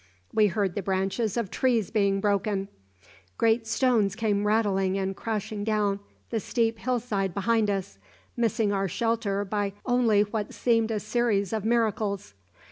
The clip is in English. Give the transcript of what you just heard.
We heard the branches of trees being broken; great stones came rattling and crashing down the steep hill side behind us, missing our shelter by only what seemed a series of miracles.